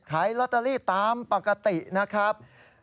ขายลอตเตอรี่ตามปกตินะครับ